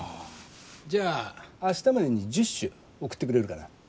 じゃあ明日までに１０首送ってくれるかな。